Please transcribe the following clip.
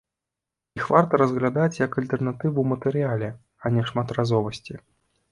Іх варта разглядаць як альтэрнатыву ў матэрыяле, а не шматразовасці.